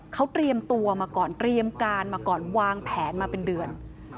เขาเตรียมตัวมาก่อนเตรียมการมาก่อนวางแผนมาเป็นเดือน